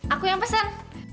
aku yang pesen